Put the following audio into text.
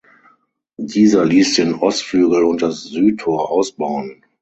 Dieser ließ den Ostflügel und das Südtor ausbauen.